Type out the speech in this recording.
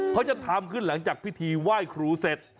เขาจะทำขึ้นหลังจากพิธีไหว้ครูเสร็จ